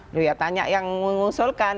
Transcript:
loh ya tanya yang mengusulkan